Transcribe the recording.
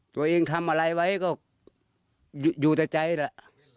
ตัวเองทำอะไรไว้ก็อยู่แต่ใจแหละ